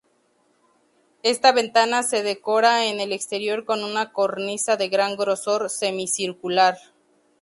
Esta ventana se decora en el exterior con una cornisa de gran grosor, semicircular.